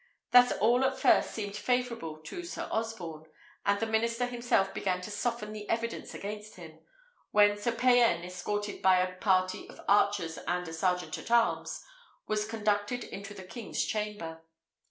Thus all at first seemed favourable to Sir Osborne, and the minister himself began to soften the evidence against him, when Sir Payan, escorted by a party of archers and a sergeant at arms, was conducted into the king's chamber.